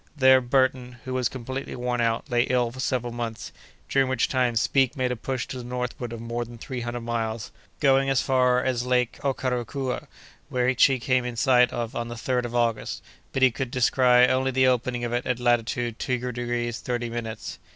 There Burton, who was completely worn out, lay ill for several months, during which time Speke made a push to the northward of more than three hundred miles, going as far as Lake Okeracua, which he came in sight of on the 3d of August; but he could descry only the opening of it at latitude two degrees thirty minutes.